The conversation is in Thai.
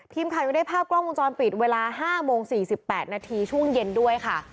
ทีมข่าวยังได้ภาพกล้องวงจรปิดเวลา๕โมง๔๘นาทีช่วงเย็นด้วยค่ะ